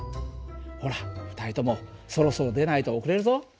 ほら２人ともそろそろ出ないと遅れるぞ。